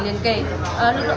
đang bị kiếm được bảy người